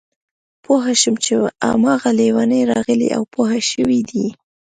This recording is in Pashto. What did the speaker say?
پوه شوم چې هماغه لېونی راغلی او پوه شوی دی